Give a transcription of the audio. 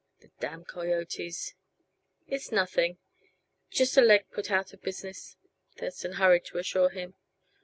"The damn coyotes!" "It's nothing; just a leg put out of business," Thurston hurried to assure him.